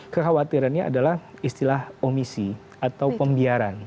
kekhawatirannya adalah istilah omisi atau pembiaran